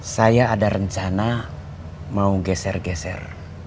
saya ada rencana mau geser geser